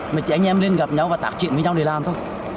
mà chị anh em lên gặp nhau và tạc triển với nhau để làm thôi